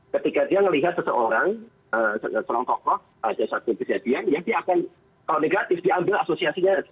ketika dia melihat seseorang seorang tokoh ada satu kejadian ya dia akan kalau negatif diambil asosiasinya